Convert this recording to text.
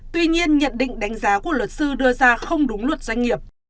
tuy nhiên nhận định đánh giá của luật sư đưa ra không đúng luật doanh nghiệp